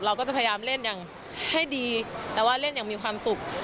เราก็จะพยายามเล่นอย่างให้ดีแต่ว่าเล่นอย่างมีความสุข